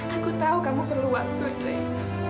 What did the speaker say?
aku tahu kamu perlu waktu dling